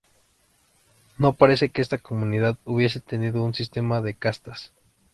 No parece que esta comunidad hubiese tenido un sistema de castas.